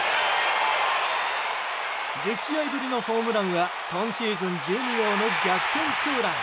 １０試合ぶりのホームランは今シーズン１２号の逆転ツーラン。